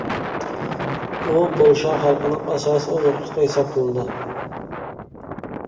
ئۇ پولشا خەلقىنىڭ ئاساسىي ئوزۇقلۇقى ھېسابلىنىدۇ.